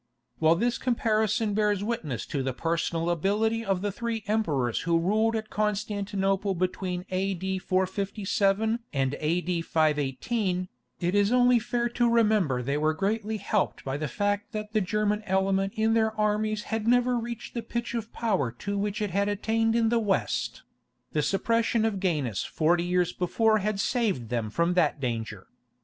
While this comparison bears witness to the personal ability of the three emperors who ruled at Constantinople between A.D. 457 and A.D. 518, it is only fair to remember they were greatly helped by the fact that the German element in their armies had never reached the pitch of power to which it had attained in the West; the suppression of Gainas forty years before had saved them from that danger.